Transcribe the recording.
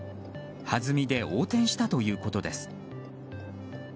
はずみで横転したということです。